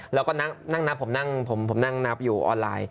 แล้วก็นั่งนับผมนั่งผมนั่งนับอยู่ออนไลน์